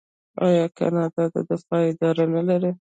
آیا کاناډا د دفاع اداره نلري؟